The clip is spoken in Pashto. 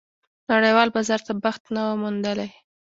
نړېوال بازار ته بخت نه موندلی.